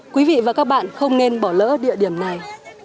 quý vị và các bạn không nên bỏ lỡ địa điểm này